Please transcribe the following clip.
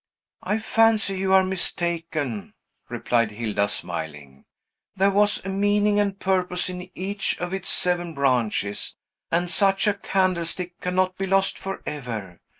"I fancy you are mistaken," replied Hilda, smiling. "There was a meaning and purpose in each of its seven branches, and such a candlestick cannot be lost forever.